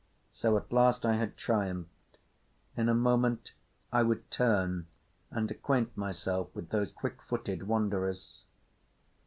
So at last I had triumphed. In a moment I would turn and acquaint myself with those quick footed wanderers….